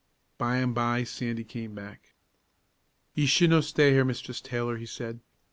By and by Sandy came back. "Ye should no stay here, Mistress Taylor," he said.